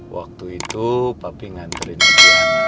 waktu itu papi ngantriin adriana